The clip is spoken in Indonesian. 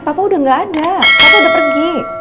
papa udah gak ada bapak udah pergi